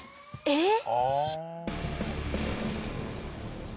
えっ？